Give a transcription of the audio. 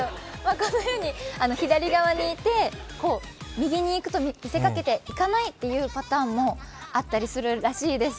このように左側にいて、右側に行くと見せかけて行かないというパターンもあったりするらしいです。